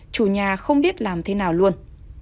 chủ nhà không biết làm thế nào luôn